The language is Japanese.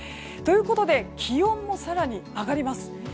ということで気温も更に上がります。